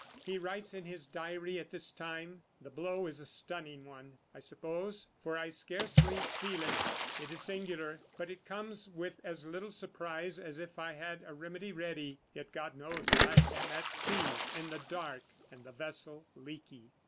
He writes in his diary at this time: "The blow is a stunning one, I suppose, for I scarcely feel it. It is singular, but it comes with as little surprise as if I had a remedy ready, yet God knows I am at sea in the dark, and the vessel leaky."